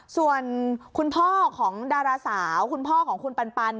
ส่วนคุณพ่อของดาราสาวคุณพ่อของคุณปัน